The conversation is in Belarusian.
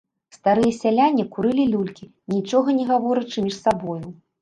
Старыя сяляне курылі люлькі, нічога не гаворачы між сабою.